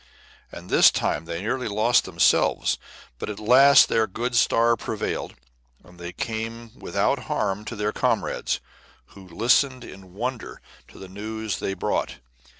And this time they nearly lost themselves, but at last their good star prevailed, and they came without harm to their comrades, who listened in wonder to the news they brought.